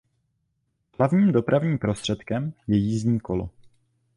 Hlavním dopravním prostředkem je jízdní kolo.